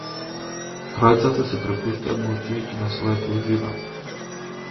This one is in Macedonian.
Тројцата се препуштаат молчејќи на своето уживање.